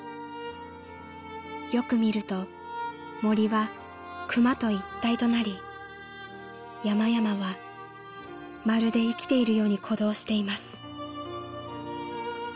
［よく見ると森は熊と一体となり山々はまるで生きているように鼓動しています］